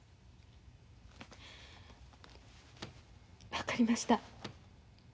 分かりました。